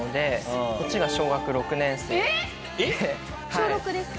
小６です。